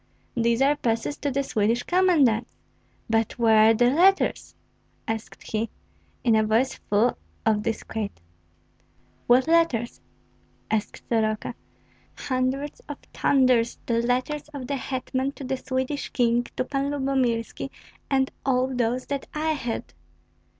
"These are passes to the Swedish commandants; but where are the letters?" asked he, in a voice full of disquiet. "What letters?" asked Soroka. "Hundreds of thunders! the letters of the hetman to the Swedish King, to Pan Lyubomirski, and all those that I had."